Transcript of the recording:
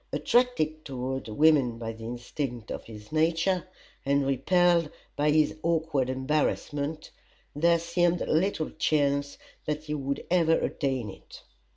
Attracted toward women by the instinct of his nature, and repelled by his awkward embarrassment, there seemed little chance that he would ever attain it.